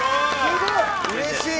うれしい！